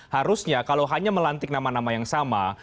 harusnya kalau hanya melantik nama nama yang sama